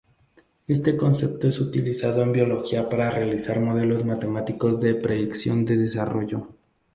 Este concepto es utilizado en biología para realizar modelos matemáticos de predicción de desarrollo.